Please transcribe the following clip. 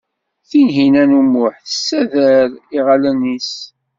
Tinhinan u Muḥ tessader iɣallen-nnes.